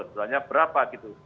sebenarnya berapa gitu